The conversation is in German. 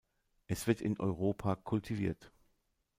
Es wird in Europa kultiviert.